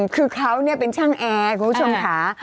คือเขาเป็นช่างแอร์ของผู้ชมขา